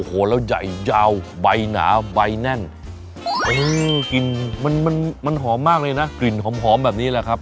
โอ้โหแล้วใหญ่ยาวใบหนาใบแน่นเออกลิ่นมันมันหอมมากเลยนะกลิ่นหอมแบบนี้แหละครับ